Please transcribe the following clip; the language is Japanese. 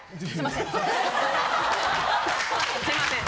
すいません。